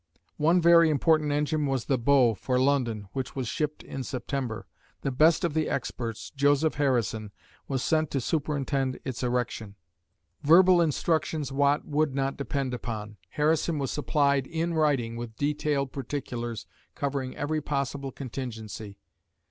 One very important engine was "The Bow" for London, which was shipped in September. The best of the experts, Joseph Harrison, was sent to superintend its erection. Verbal instructions Watt would not depend upon; Harrison was supplied in writing with detailed particulars covering every possible contingency.